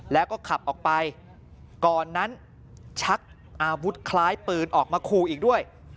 แล้วก็ขับออกไปก่อนนั้นชักอาวุธคล้ายปืนออกมาขู่อีกด้วย